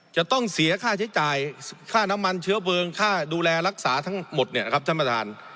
จะต้องเสียค่าใช้จ่ายค่าน้ำมันเชื้อเพลิงค่าดูแลรักษาทั้งหมดเนี่ยนะครับท่านประธาน